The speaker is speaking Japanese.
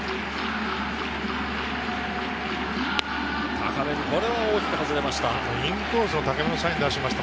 高め、これは大きく外れました。